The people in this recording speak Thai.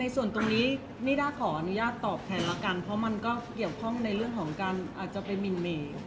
ในส่วนตรงนี้นี่ได้ขออนุญาตตอบแผนละกันเพราะมันก็เกี่ยวข้องในเรื่องของการอาจจะเป็นมิร์นเมนส์ในข้อกฎหมาย